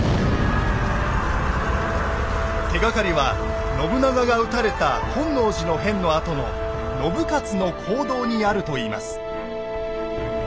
手がかりは信長が討たれた「本能寺の変」のあとの信雄の行動にあるといいます。